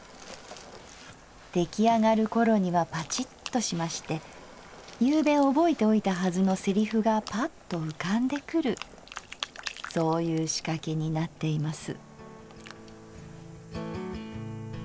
できあがるころにはパチッとしまして昨夕覚えておいたはずのセリフがぱっと浮かんでくるそういうしかけになっています」。